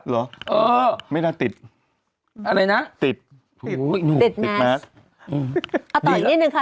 เหรอเออไม่น่าติดอะไรนะติดติดแมสเอาต่ออีกนิดนึงค่ะ